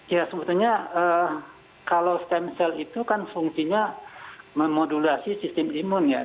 ya sebetulnya kalau stem cell itu kan fungsinya memodulasi sistem imun ya